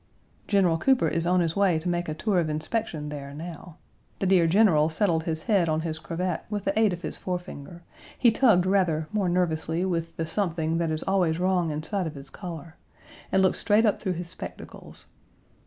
General Cooper is on his way to make a tour of inspection there now. The dear general settled his head on his cravat with the aid of his forefinger; he tugged rather more nervously with the something that is always wrong inside of his collar, and looked straight up through his spectacles.